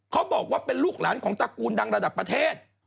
เขาบอกว่าเป็นลูกหลานของตระกูลดังระดับประเทศ